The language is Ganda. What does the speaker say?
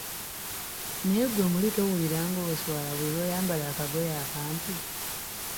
Naye gwe muli towulira ng'oswala buli lw'oyambala akagoye akampi?